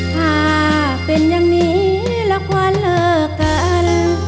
ถ้าเป็นอย่างนี้ละควันเหลือกัน